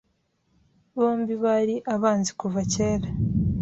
Bombi bari abanzi kuva kera.